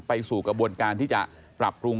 ไปสู่กระบวนการที่จะปรับปรุง